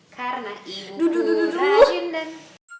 karena ibu rajin dan